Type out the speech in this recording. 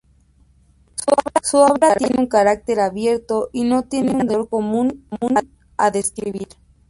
Su obra tiene un carácter abierto y no tiene un denominador común a describir.